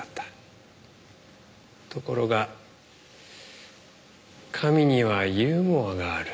ところが神にはユーモアがある。